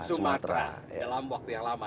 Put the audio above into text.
dalam waktu yang lama ya